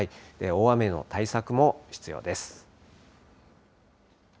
大雨の対策も必要です。